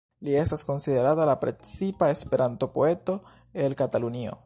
Li estas konsiderata la precipa Esperanto-poeto el Katalunio.